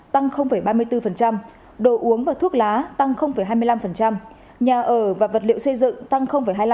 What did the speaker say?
tăng ba mươi bốn đồ uống và thuốc lá tăng hai mươi năm nhà ở và vật liệu xây dựng tăng hai mươi năm